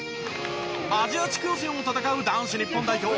アジア地区予選を戦う男子日本代表